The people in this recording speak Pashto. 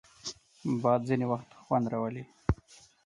باد ځینې وخت خوند راولي